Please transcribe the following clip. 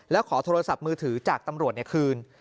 แล้วขอโทรศัพท์มือถือจากตำรวจคืน